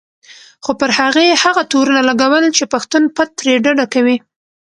خو پر هغې هغه تورونه لګول چې پښتون پت ترې ډډه کوي.